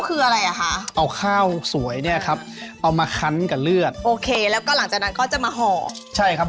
เพราะว่าในกรุงเทพฯมันหาทานยาก